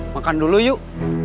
makan dulu yuk